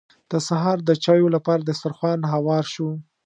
د سهار د چايو لپاره دسترخوان هوار شو.